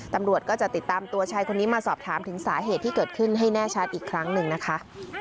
ตำรวจก็จะติดตามตัวชายคนนี้มาสอบถามถึงสาเหตุที่เกิดขึ้นให้แน่ชัดอีกครั้งหนึ่งนะคะ